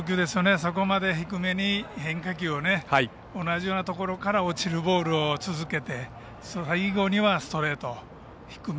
そこまで低めに変化球を同じようなところから落ちるボールを続けて最後にはストレート低め。